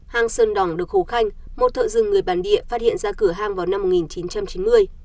hang sơn đỏng được hồ khanh một thợ rừng người bản địa phát hiện ra cửa ham vào năm một nghìn chín trăm chín mươi